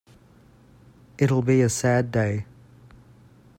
It'll be a sad day.